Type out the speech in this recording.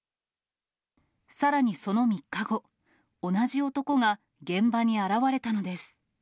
さらに、その３日後、同じ男が現場に現れたのです。